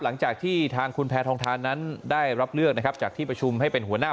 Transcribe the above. หลังจากที่ทางคุณแพทองทานนั้นได้รับเลือกนะครับจากที่ประชุมให้เป็นหัวหน้า